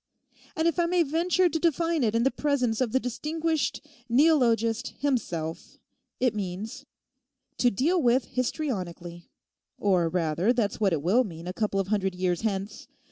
And if I may venture to define it in the presence of the distinguished neologist himself, it means, "To deal with histrionically"; or, rather, that's what it will mean a couple of hundred years hence.